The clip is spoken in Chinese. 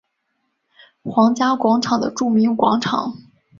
皇家广场的著名广场。